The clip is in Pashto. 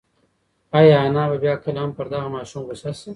ایا انا به بیا کله هم پر دغه ماشوم غوسه شي؟